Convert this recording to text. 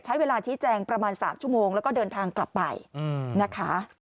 ใช้เวลาชี้แจงประมาณ๓ชั่วโมงแล้วก็เดินทางกลับไปนะคะ